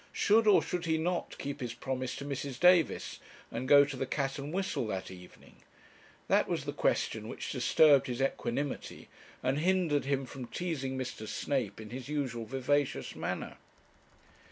Should or should he not keep his promise to Mrs. Davis, and go to the 'Cat and Whistle' that evening? That was the question which disturbed his equanimity, and hindered him from teasing Mr. Snape in his usual vivacious manner.